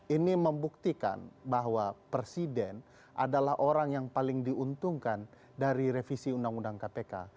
ini membuktikan bahwa presiden adalah orang yang paling diuntungkan dari revisi undang undang kpk